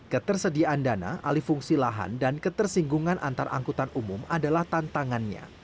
ketersediaan dana alifungsi lahan dan ketersinggungan antarangkutan umum adalah tantangannya